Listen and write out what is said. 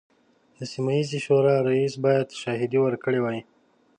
د سیمه ییزې شورا رئیس باید شاهدې ورکړي وای.